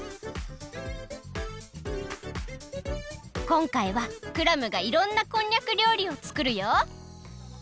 こんかいはクラムがいろんなこんにゃくりょうりをつくるよ！